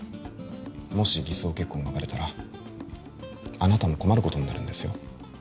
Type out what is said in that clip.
もし偽装結婚がバレたらあなたも困ることになるんですよ